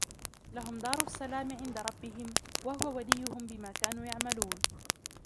لَهُمْ دَارُ السَّلَامِ عِنْدَ رَبِّهِمْ وَهُوَ وَلِيُّهُمْ بِمَا كَانُوا يَعْمَلُونَ